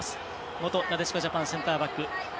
元なでしこジャパンセンターバッグ岩